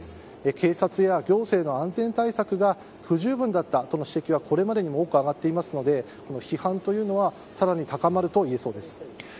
警察や行政の安全対策が不十分だったとの指摘はこれまでにも多く上がっていますので批判はさらに高まるといえそうです。